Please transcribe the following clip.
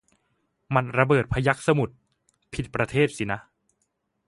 หมัดระเบิดพยัคฆ์สมุทร ผิดประเทศสินะ